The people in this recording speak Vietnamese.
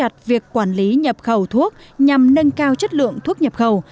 để siết chặt việc quản lý nhập khẩu thuốc nhằm nâng cao chất lượng thuốc nhập khẩu